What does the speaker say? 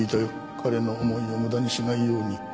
彼の思いを無駄にしないように。